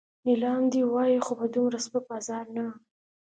نیلام دې وای خو په دومره سپک بازار نه.